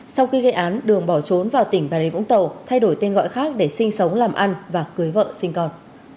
sau khi gây án đường bỏ trốn vào tỉnh bà rịa vũng tàu thay đổi tên gọi khác để sinh sống làm ăn và cưới vợ sinh con